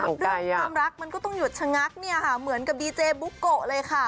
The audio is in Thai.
เรื่องความรักมันก็ต้องหยุดชะงักเนี่ยค่ะเหมือนกับดีเจบุ๊กโกะเลยค่ะ